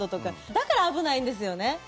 だから危ないんですよね。